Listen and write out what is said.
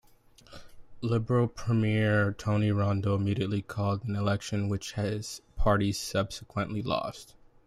Liberal Premier Tony Rundle immediately called an election, which his party subsequently lost.